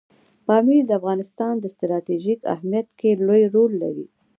پامیر د افغانستان په ستراتیژیک اهمیت کې لوی رول لري.